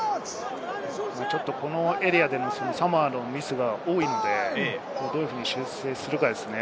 ちょっとこのエリアでサモアのミスが多いので、どういうふうに修正するかですね。